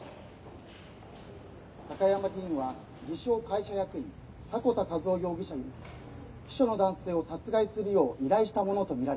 高山議員は自称会社役員迫田一男容疑者に秘書の男性を殺害するよう依頼したものとみられています。